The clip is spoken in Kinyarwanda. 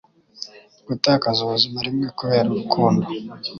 Gutakaza ubuzima rimwe kubera urukundo